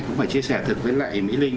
cũng phải chia sẻ thật với lại mỹ linh